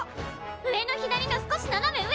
上の左の少しななめ上！